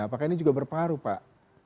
apakah ini juga berpengaruh pak